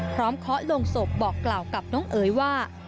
พร้อมขอลงศพบอกกล่าวกับน้องเอ๋ยว่า